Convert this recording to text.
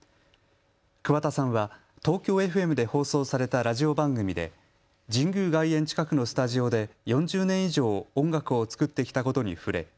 桑田さんはＴＯＫＹＯＦＭで放送されたラジオ番組で神宮外苑近くのスタジオで４０年以上、音楽を作ってきたことに触れ